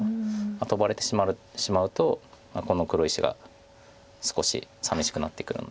トバれてしまうとこの黒石が少しさみしくなってくるので。